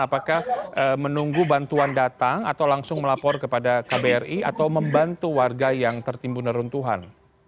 apakah menunggu bantuan datang atau langsung melapor kepada kbri atau membantu warga yang tertimbun neruntuhan